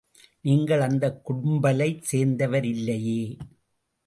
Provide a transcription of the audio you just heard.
நீங்கள் அந்தக் கும்பலைச் சேர்ந்தவரில்லையே?